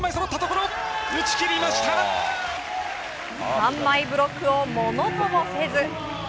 ３枚ブロックをものともせず。